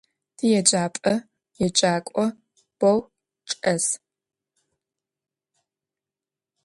Тиеджапӏэ еджакӏо бэу чӏэс.